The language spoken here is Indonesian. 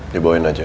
dia bawain aja